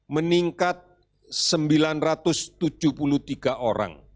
meningkat sembilan ratus tujuh puluh tiga orang